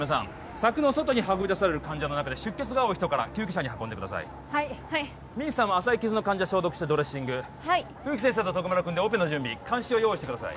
柵の外に運び出される患者の中で出血が多い人から救急車に運んでくださいミンさんは浅い傷の患者消毒してドレッシング冬木先生と徳丸君でオペの準備鉗子を用意してください